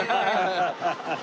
ハハハハ！